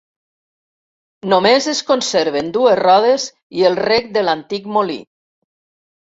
Només es conserven dues rodes i el rec de l'antic molí.